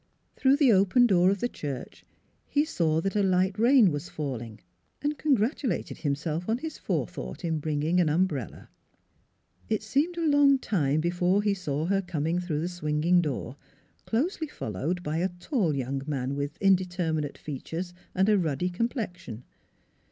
Through the open door of the church he saw that a light rain was falling and congratulated himself on his forethought in bringing an umbrella. It seemed a long time before he saw her coming through the swinging door, closely followed by a tall young man with indeterminate features and a ruddy complexion.